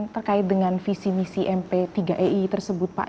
terkait dengan visi misi mp tiga ei tersebut pak